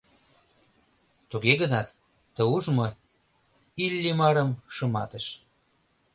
Туге гынат, ты ужмо Иллимарым шыматыш.